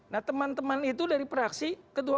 nah teman teman itu dari praksi ketua ketua praksi waktunya